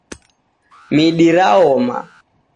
Midi raoma